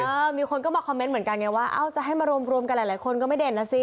มีคนก็มาคอมเมนต์เหมือนกันไงว่าเอ้าจะให้มารวมกันหลายคนก็ไม่เด่นนะสิ